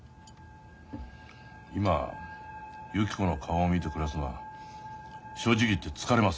今ゆき子の顔を見て暮らすのは正直言って疲れます。